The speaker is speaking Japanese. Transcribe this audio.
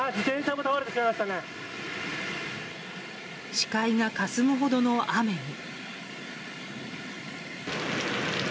視界がかすむほどの雨に。